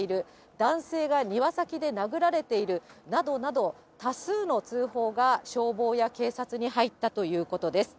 男性が庭先で殴られているなどなど、多数の通報が消防や警察に入ったということです。